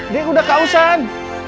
dia udah kausan